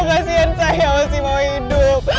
kasian saya masih mau hidup